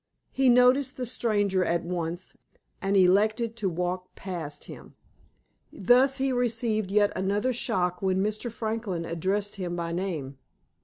He noticed the stranger at once, and elected to walk past him. Thus, he received yet another shock when Mr. Franklin addressed him by name.